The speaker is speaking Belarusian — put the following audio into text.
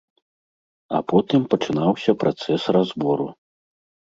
А потым пачынаўся працэс разбору.